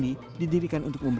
untuk ber ide dan untuk ilmu